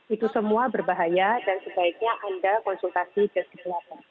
itu semua berbahaya dan sebaiknya anda konsultasi ke sigulator